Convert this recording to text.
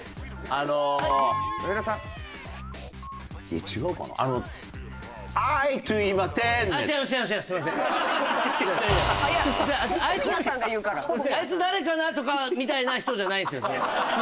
あいつ誰かな？とかみたいな人じゃないんですよ。